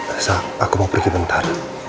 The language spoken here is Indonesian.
asal aku mau pergi bentar